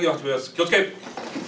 気をつけ！